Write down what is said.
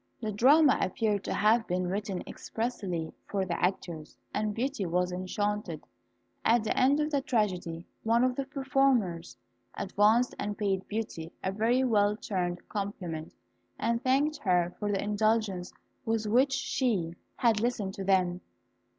The drama appeared to have been written expressly for the actors, and Beauty was enchanted. At the end of the tragedy, one of the performers advanced and paid Beauty a very well turned compliment, and thanked her for the indulgence with which she had listened to them.